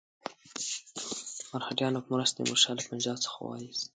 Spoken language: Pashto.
مرهټیانو په مرسته تیمور شاه له پنجاب څخه وایست.